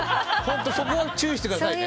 ホントそこは注意してください。